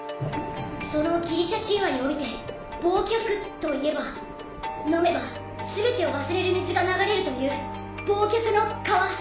そのギリシャ神話において「忘却」といえば飲めば全てを忘れる水が流れるという忘却の川。